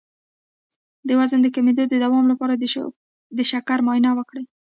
د وزن د کمیدو د دوام لپاره د شکر معاینه وکړئ